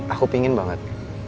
aku pengen banget